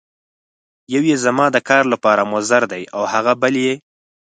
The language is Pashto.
یو یې زما د کار لپاره مضر دی او هغه بل یې.